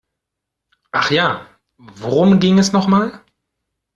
Ach ja, worum ging es noch mal?